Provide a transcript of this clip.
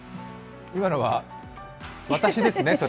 今のは私ですね、それ。